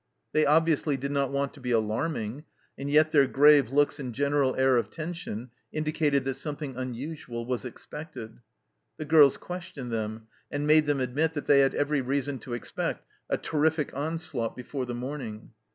They obviously did not want to be alarming, and yet their grave looks and general air of tension indicated that something unusual was expected. The girls questioned them, and made them admit that they had every reason to expect a terrific onslaught before the morning.